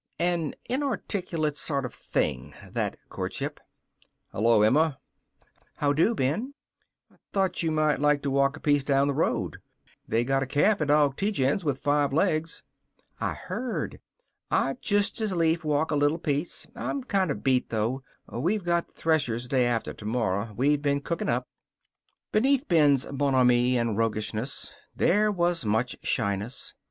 An inarticulate sort of thing, that courtship. "Hello, Emma." "How do, Ben." "Thought you might like to walk a piece down the road. They got a calf at Aug Tietjens' with five legs." "I heard. I'd just as lief walk a little piece. I'm kind of beat, though. We've got the threshers day after tomorrow. We've been cooking up." Beneath Ben's bonhomie and roguishness there was much shyness.